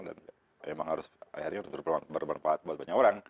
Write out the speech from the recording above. dan memang harus akhirnya berberpahat buat banyak orang